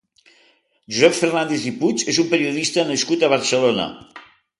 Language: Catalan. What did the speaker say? Josep Fernández i Puig és un periodista nascut a Barcelona.